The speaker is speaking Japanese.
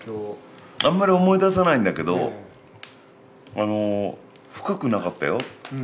あんまり思い出さないんだけどあの深くなかったよ